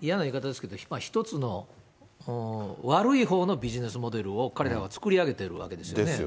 嫌な言い方ですけれども、一つの悪いほうのビジネスモデルを彼らは作り上げてるわけですよね。